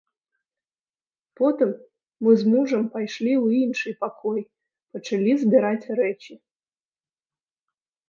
Потым мы з мужам пайшлі ў іншы пакой, пачалі збіраць рэчы.